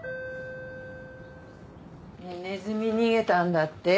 ・ネズミ逃げたんだって？